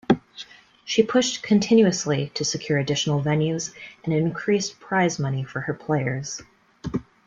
She pushed continuously to secure additional venues and increased prize money for her players.